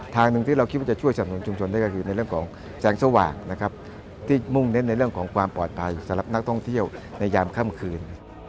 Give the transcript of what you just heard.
ทางหนึ่งที่เราคิดว่าจะช่วยสับหนุนชุมชนได้ก็คือในเรื่องของแสงสว่างนะครับที่มุ่งเน้นในเรื่องของความปลอดภัยสำหรับนักท่องเที่ยวในยามค่ำคืน